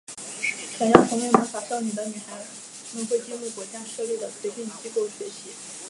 想要成为魔法少女的女孩们会进入国家设立的培训机构学习。